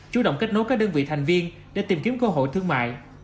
chú động kết nối các đơn vị thành viên để tìm kiếm cơ hội thương mại